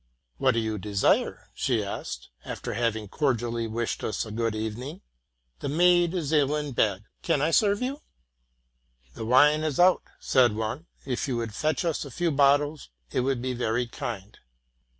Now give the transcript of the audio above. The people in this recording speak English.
'* What do you desire?' she asked, after having cordially wished us a good evening : 'the maid is ill in bed. Can I' serve you?'' — The wine is out,' said one: '*if you would fetch us a few bottles, it would be very kind.